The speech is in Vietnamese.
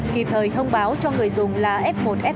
kịp thời thông báo cho người dùng là f một f một